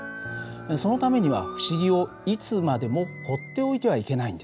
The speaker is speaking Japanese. そのためには不思議をいつまでもほっておいてはいけないんです。